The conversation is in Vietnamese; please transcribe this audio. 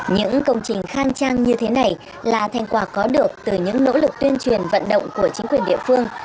những công trình khang trang như thế này là thành quả có được từ những nỗ lực tuyên truyền vận động của chính quyền địa phương